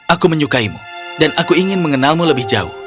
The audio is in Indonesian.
aku menyukaimu dan aku ingin mengenalmu lebih jauh